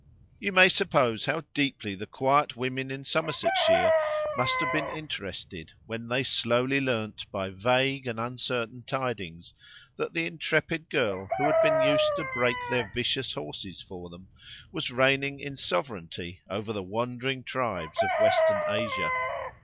You may suppose how deeply the quiet women in Somersetshire must have been interested, when they slowly learned by vague and uncertain tidings that the intrepid girl who had been used to break their vicious horses for them was reigning in sovereignty over the wandering tribes of Western Asia!